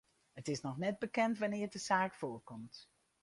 It is noch net bekend wannear't de saak foarkomt.